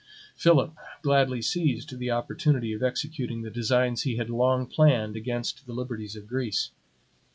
Philip gladly seized the opportunity of executing the designs he had long planned against the liberties of Greece.